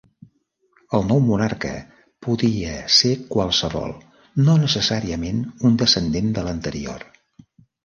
El nou monarca podia ser qualsevol, no necessàriament un descendent de l'anterior.